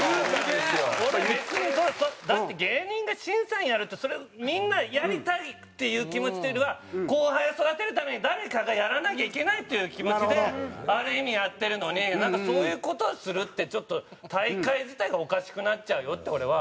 俺別にだって芸人が審査員やるってそれみんなやりたいっていう気持ちっていうよりは後輩を育てるために誰かがやらなきゃいけないっていう気持ちである意味やってるのになんかそういう事をするってちょっと大会自体がおかしくなっちゃうよって俺は思うんですよね。